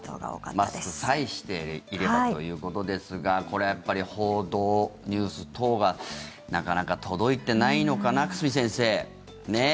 マスクさえしていればということですがこれはやっぱり報道、ニュース等がなかなか届いてないのかな久住先生、ねえ。